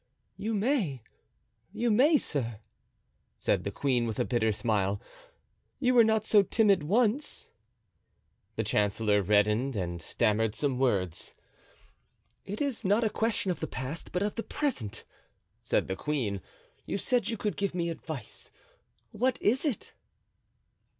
"You may, you may, sir," said the queen with a bitter smile; "you were not so timid once." The chancellor reddened and stammered some words. "It is not a question of the past, but of the present," said the queen; "you said you could give me advice—what is it?"